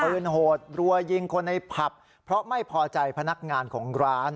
โหดรัวยิงคนในผับเพราะไม่พอใจพนักงานของร้าน